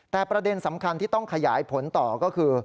แต่ประเด็นสำคัญที่ต้องขยายผลต่อก็คือ